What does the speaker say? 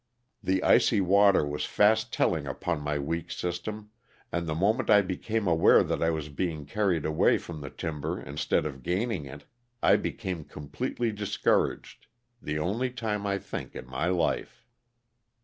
The icy water was fast telling upon my weak system, and the moment I became aware that I was being carried away from the timber instead of gaining it I became completely dis couraged, the only time I think in my life.